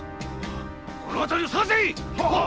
この辺りを捜せ！はッ！